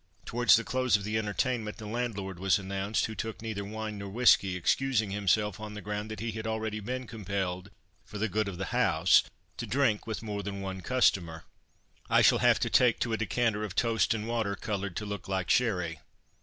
Towards the close of the entertainment the landlord was announced, who took neither wine nor whisky, excusing himself on the ground that he had already been compelled "for the good of the house" to drink with more than one customer. "I shall have to take to a decanter of toast and water, coloured to look like sherry.